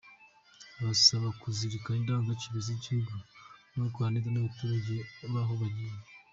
Abasaba kuzirikana indangagaciro z’igihugu no gukorana neza n’abaturage b’aho bagiye.